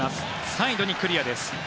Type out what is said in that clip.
サイドにクリアです。